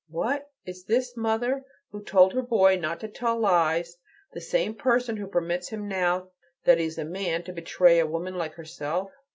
What? Is this mother, who told her boy not to tell lies, the same person who permits him now that he is a man, to betray a woman like herself?